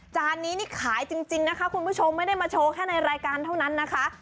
จานนี้นี่ขายจริงนะคะคุณผู้ชมไม่ได้มาโชว์แค่ในรายการเท่านั้นนะคะ